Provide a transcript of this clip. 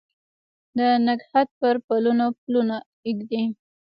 د نګهت پر پلونو پلونه ږدي